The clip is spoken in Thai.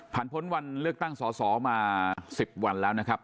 พ้นวันเลือกตั้งสอสอมา๑๐วันแล้วนะครับ